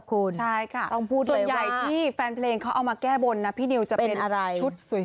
คุณต้องพูดเลยว่าซึ่งใหญ่ที่แฟนเพลงเขาเอามาแก้บนพี่นิลจะเป็นชุดสวย